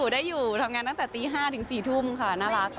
ได้อยู่ทำงานตั้งแต่ตี๕ถึง๔ทุ่มค่ะน่ารัก